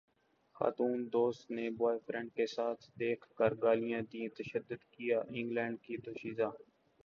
خاتون دوست نے بوائے فرینڈ کے ساتھ دیکھ کر گالیاں دیں تشدد کیا انگلینڈ کی دوشیزہ